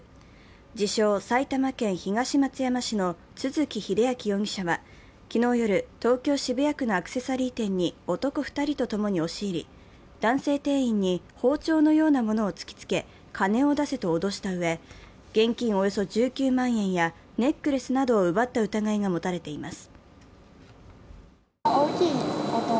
自称・埼玉県東松山市の都築英明容疑者は、昨日夜、東京・渋谷区のアクセサリー店に男２人と共に押し入り、男性店員に包丁のようものを突きつけ金を出せと脅したうえで、現金およそ１９万円やネックレスなどを奪った疑いが持たれています。